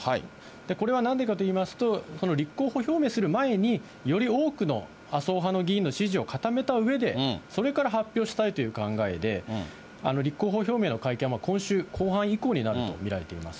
これはなんでかといいますと、この立候補表明をする前に、より多くの麻生派の議員の支持を固めたうえで、それから発表したいという考えで、立候補表明の会見は今週後半以降になると見られています。